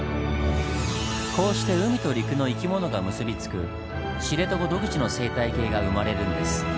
こうして海と陸の生き物が結びつく知床独自の生態系が生まれるんです。